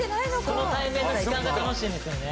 「この対面の時間が楽しいんですよね」